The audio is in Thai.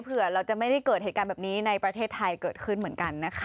เพื่อเกิดแบบนี้ในประเทศไทยเกิดขึ้น